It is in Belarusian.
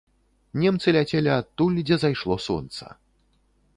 Немцы ляцелі адтуль, дзе зайшло сонца.